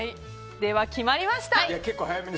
では、決まりました。